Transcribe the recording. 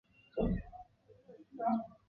超过一百用汉字词加固有词。